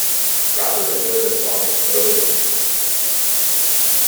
Prather enjoyed the song and promoted its usage.